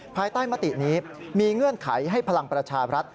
ภายใต้มตินี้มีเงื่อนไขให้พลังประชาบรัฐ